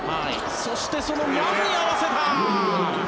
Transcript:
そしてそのニャンに合わせた！